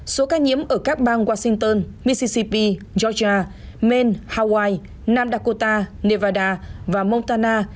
số ca nhiễm ở các bang washington mississippi georgia maine hawaii nam dakota nevada và montana